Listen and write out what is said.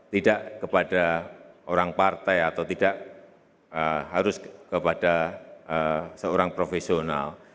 tidak kepada orang partai atau tidak harus kepada seorang profesional